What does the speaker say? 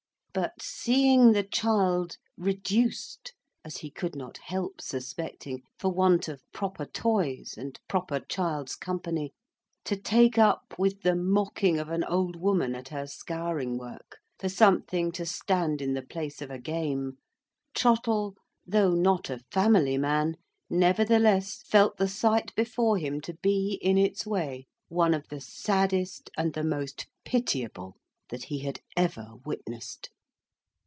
But seeing the child reduced (as he could not help suspecting) for want of proper toys and proper child's company, to take up with the mocking of an old woman at her scouring work, for something to stand in the place of a game, Trottle, though not a family man, nevertheless felt the sight before him to be, in its way, one of the saddest and the most pitiable that he had ever witnessed.